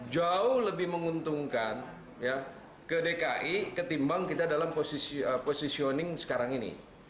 jauh lebih menguntungkan ke dki ketimbang kita dalam positioning sekarang ini